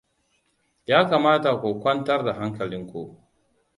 Ya kamata ku kwantar da hankalinku.